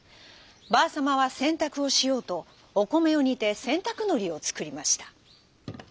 ばあさまはせんたくをしようとおこめをにてせんたくのりをつくりました。